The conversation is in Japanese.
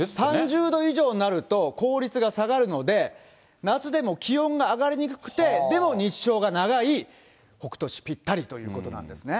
３０度以上になると、効率が下がるので、夏でも気温が上がりにくくて、でも日照が長い北杜市、ぴったりということなんですね。